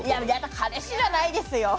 彼氏じゃないですよ。